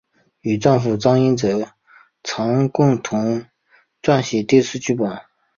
与丈夫张英哲常共同撰写电视剧剧本。